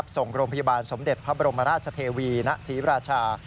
ส่งโรงพยาบาลสมเด็จพระบรมราชเทวีณศรีราชา